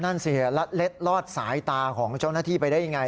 นั่นสิแล้วเล็ดลอดสายตาของเจ้าหน้าที่ไปได้ยังไง